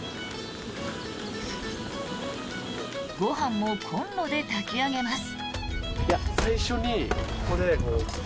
ご飯もコンロで炊き上げます。